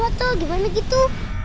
atau gimana gitu